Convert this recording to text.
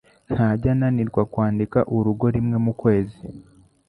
Ntajya ananirwa kwandika urugo rimwe mu kwezi.